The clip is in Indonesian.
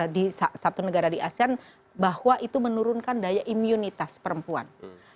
di satu negara di asean bahwa itu menurunkan daya imunitas perempuan